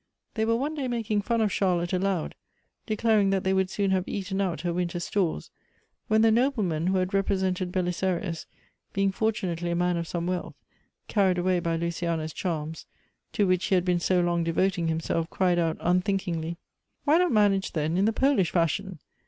They were one day making fun of Charlotte aloud, declaring that they would soon have eaten out her winter stores, when the noble man who had represented Belisarius, being fortunately a man of some wealth, carried away by Luciana's charms, to which he had been so long devoting himself, cried out unthinkingly, " Why not manage then in the Polish fash ion